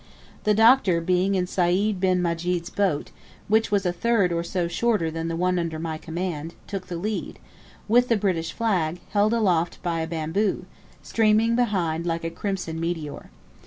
The Doctor being in Sayd bin Majid's boat, which was a third or so shorter than the one under my command, took the lead, with the British flag, held aloft by a bamboo, streaming behind like a crimson meteor.